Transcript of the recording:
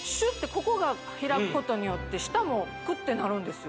ここが開くことによって下もクッてなるんですよ